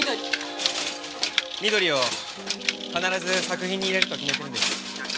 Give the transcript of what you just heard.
緑を必ず作品に入れると決めてるんです。